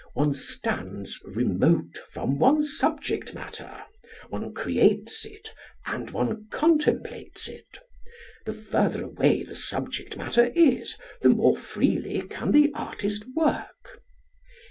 One stands remote from one's subject matter. One creates it, and one contemplates it. The further away the subject matter is, the more freely can the artist work.